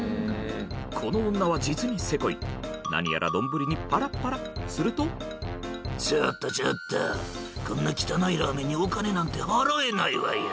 この女は実にセコい何やら丼にぱらっぱらすると「ちょっとちょっとこんな汚いラーメンにお金なんて払えないわよ」